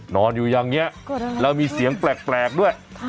นอนอยู่อย่างนี้แล้วมีเสียงแปลกด้วย